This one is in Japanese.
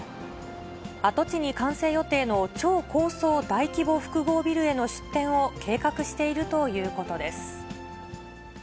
跡地に完成予定の超高層大規模複合ビルへの出店を計画しているということです。